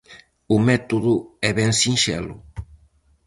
O método é ben sinxelo.